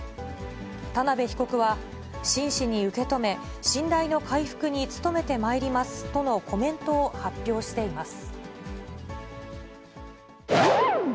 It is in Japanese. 田辺被告は、真摯に受け止め、信頼の回復に努めてまいりますとのコメントを発表しています。